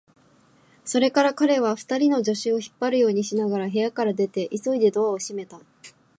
それから彼は、二人の助手を引っ張るようにしながら部屋から出て、急いでドアを閉めた。